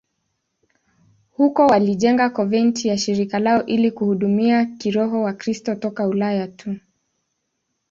Huko walijenga konventi ya shirika lao ili kuhudumia kiroho Wakristo toka Ulaya tu.